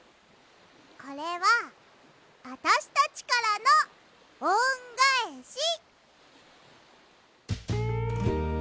これはあたしたちからのおんがえし。